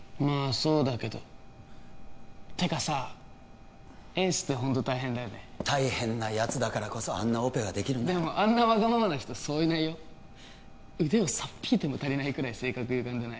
そうだけどてかさエースってホント大変だよね大変なやつだからこそあんなオペができるんだでもあんなワガママな人そういないよ腕をさっ引いても足りないくらい性格ゆがんでない？